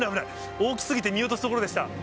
大きすぎて見落とすところでした。